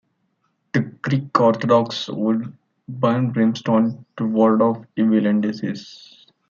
The Greek Orthodox would burn brimstone to ward off evil and disease.